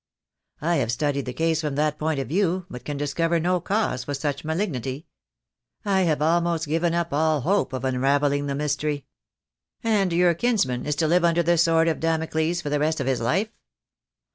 " I have studied the case from that point of view, but can discover no cause for such malignity. I have almost given up all hope of unravelling the mystery." "And your kinsman is to live under the sword of Damocles for the rest of his life?